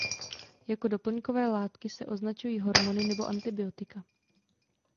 Jako doplňkové látky se označují hormony nebo antibiotika.